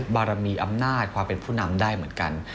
บารมีอำนาจความเป็นผู้นำได้เหมือนกัน